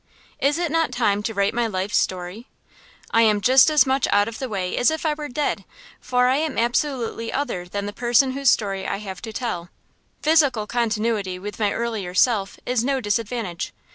Is it not time to write my life's story? I am just as much out of the way as if I were dead, for I am absolutely other than the person whose story I have to tell. Physical continuity with my earlier self is no disadvantage.